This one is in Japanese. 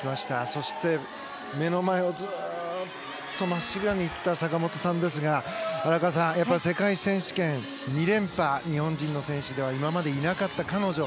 そして目の前をずっとまっしぐらに行った坂本さんですが荒川さん、やはり世界選手権２連覇。日本人の選手では今までいなかった彼女。